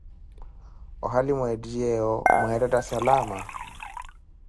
ohali mwettiyeewo mweettetta salama?